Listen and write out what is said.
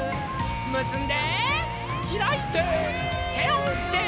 むすんでひらいててをうって。